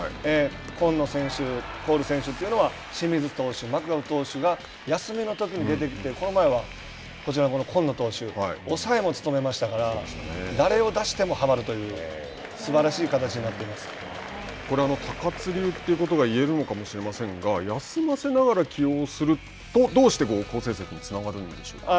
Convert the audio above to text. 今野選手、コール選手は清水投手、マクガフ投手が休みのときに出てきてこの前はこちらの今野投手抑えも務めましたから誰を出してもはまるという高津流ということが言えるのかもしれませんが休ませながら起用するとどうして好成績につながるんでしょうか。